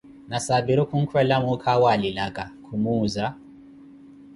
Nasapiru khukhuwela muukha awe alilaka, khumuuza.